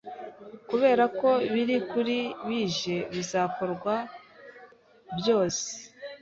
'Kuberako biri kuri bije bizakorwa byose